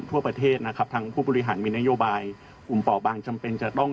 ทั่วประเทศนะครับทางผู้บริหารมีนโยบายกลุ่มเป่าบางจำเป็นจะต้อง